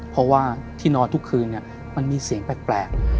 เพราะว่าที่นอนทุกคืนมันมีเสียงแปลก